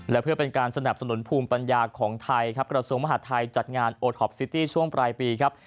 และเพื่อเป็นการสนับสนุนภูมิปัญญาของไทยครับกระทรวงมหาดไทยจัดงานโอท็อปซิตี้ช่วงปลายปีครับ